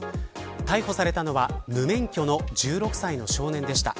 逮捕されたのは無免許の１６歳の少年でした。